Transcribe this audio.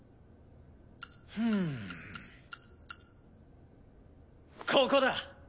ふんここだ。